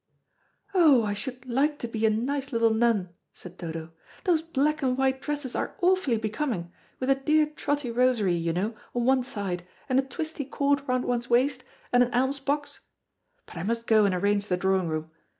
"Oh, I should like to be a nice little nun," said Dodo; "those black and white dresses are awfully becoming, with a dear trotty rosary, you know, on one side, and a twisty cord round one's waist, and an alms box. But I must go and arrange the drawing room.